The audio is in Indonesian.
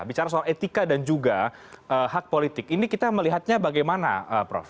bicara soal etika dan juga hak politik ini kita melihatnya bagaimana prof